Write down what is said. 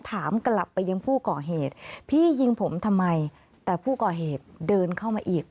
ถามกลับไปยังผู้ก่อเหตุพี่ยิงผมทำไมแต่ผู้ก่อเหตุเดินเข้ามาอีก